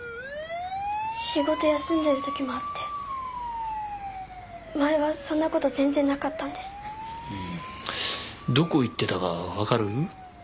仕事休んでる時もあって前はそんなこと全然なかったんですうんどこ行ってたか分かる？